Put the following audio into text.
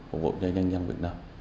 phục vụ cho nhân dân việt nam